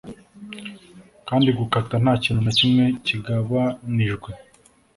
Kandi gukata ntakintu na kimwe kitagabanijwe